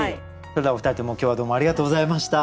それではお二人とも今日はどうもありがとうございました。